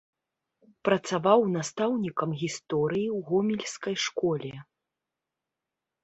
Працаваў настаўнікам гісторыі ў гомельскай школе.